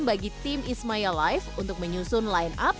bagi tim ismaya live untuk menyusun line up